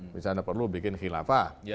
misalnya perlu bikin khilafah